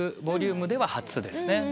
ボリュームでは初ですね。